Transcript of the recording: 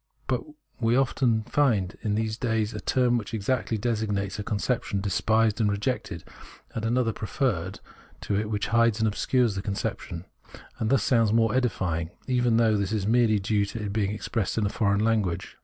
But we often find in these days that a term which exactly desig nates a conception is despised and rejected, and another preferred to it which hides and obscures the conception, and thus sounds more edifying, even though this is merely due to its being expressed in a foreign language.